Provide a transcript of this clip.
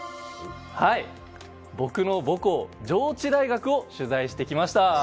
僕の母校、上智大学を取材してきました！